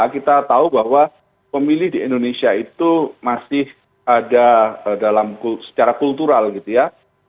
kita tahu bahwa pemilih di indonesia itu masih ada dalam secara kultural gitu ya